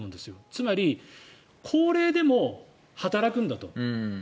つまり、高齢でも働くんだと。